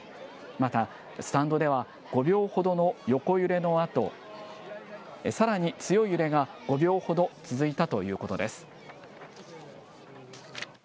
また、スタンドでは５秒ほどの横揺れのあと、さらに強い揺れが５秒ほど続いたということです。